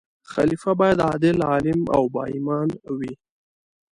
خلیفه باید عادل، عالم او با ایمان وي.